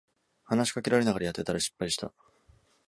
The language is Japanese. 話しかけられながらやってたら失敗した